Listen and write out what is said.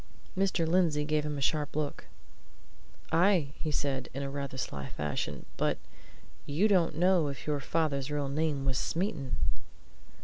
Mr. Lindsey gave him a sharp look. "Aye!" he said, in a rather sly fashion. "But you don't know if your father's real name was Smeaton!"